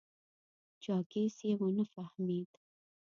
چاکېس یې و نه فهمېد.